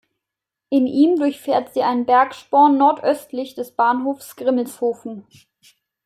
In ihm durchfährt sie einen Bergsporn nordöstlich des Bahnhofs Grimmelshofen.